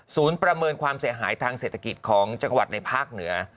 ประเมินความเสียหายทางเศรษฐกิจของจังหวัดในภาคเหนือ